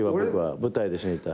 舞台で死にたい。